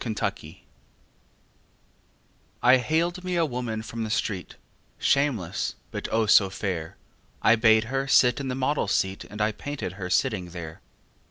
My Madonna I haled me a woman from the street, Shameless, but, oh, so fair! I bade her sit in the model's seat And I painted her sitting there.